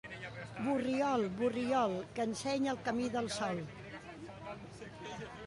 Borriol, Borriol, que ensenya el camí del sol.